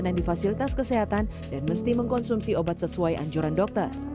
pelayanan di fasilitas kesehatan dan mesti mengkonsumsi obat sesuai anjuran dokter